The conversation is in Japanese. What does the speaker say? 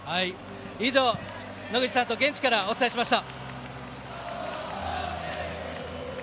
以上、野口さんと現地からお伝えしました。